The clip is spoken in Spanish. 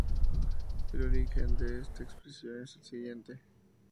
El origen de esta expresión es el siguiente.